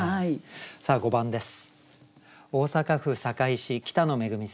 さあ５番です。